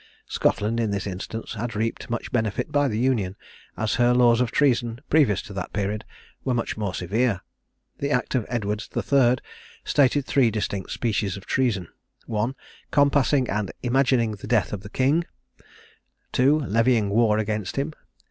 Scotland, in this instance, had reaped much benefit by the Union, as her laws of treason, previous to that period, were much more severe. The act of Edward III. stated three distinct species of treason: 1. Compassing and imagining the death of the king; 2. Levying war against him; 3.